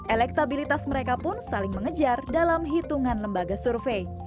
elektabilitas mereka pun saling mengejar dalam hitungan lembaga survei